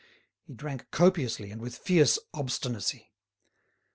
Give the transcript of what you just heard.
He drank copiously and with fierce obstinacy.